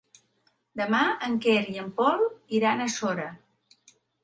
Demà en Quer i en Pol iran a Sora.